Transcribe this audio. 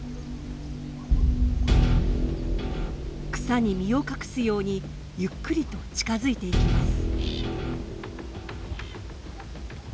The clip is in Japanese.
草に身を隠すようにゆっくりと近づいていきます。